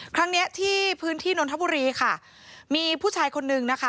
ครั้งเนี้ยที่พื้นที่นนทบุรีค่ะมีผู้ชายคนนึงนะคะ